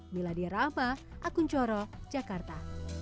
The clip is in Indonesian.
miladia rahma akun coro jakarta